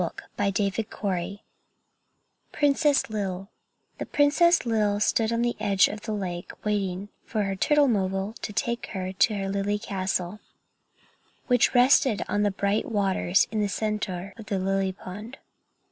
THE PRINCESS LIL The Princess Lil stood on the edge of the lake waiting for her turtlemobile to take her to her lily castle, which rested on the bright waters in the center of the lily pond.